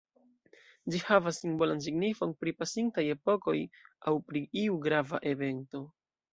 Ĝi havas simbolan signifon pri pasintaj epokoj aŭ pri iu grava evento.